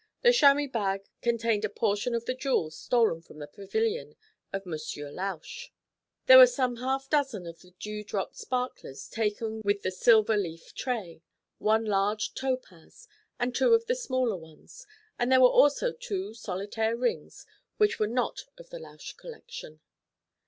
The chamois bag contained a portion of the jewels stolen from the pavilion of Monsieur Lausch. There were some half dozen of the dew drop sparklers taken with the silver leaf tray, one large topaz and two of the smaller ones, and there were also two solitaire rings which were not of the Lausch collection.